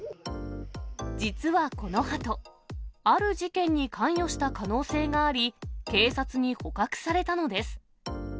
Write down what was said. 実はこのハト、ある事件に関与した可能性があり、警察に捕獲されたのです。